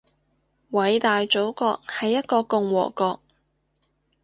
偉大祖國係一個共和國